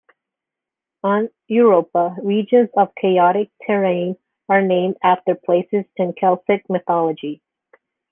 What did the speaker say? On Europa, regions of chaotic terrain are named after places in Celtic mythology.